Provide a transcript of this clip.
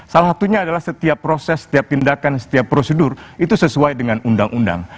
salah satunya adalah setiap proses setiap tindakan setiap prosedur itu sesuai dengan undang undang